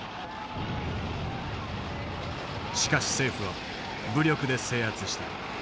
しかし政府は武力で制圧した。